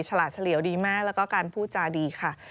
ฉลาดเฉลี่ยวดีมากแล้วก็การพูดจาดีค่ะ